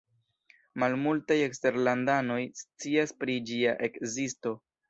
Malmultaj eksterlandanoj scias pri ĝia ekzisto.